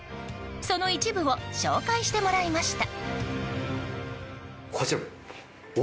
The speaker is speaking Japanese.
その一部を紹介してもらいました。